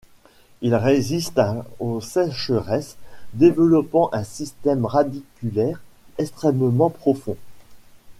Il résiste aux sécheresses, développant un système radiculaire extrêmement profond.